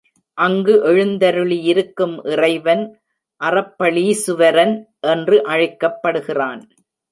அங்கு எழுந்தருளியிருக் கும் இறைவன் அறப்பளீசுவரன் என்று அழைக்கப் படுகிறான்.